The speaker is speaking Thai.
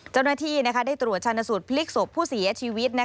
เจ้าหน้าที่ได้ตรวจชาญสูตรพลิกศพผู้เสียชีวิต